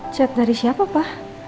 chat dari siapa pa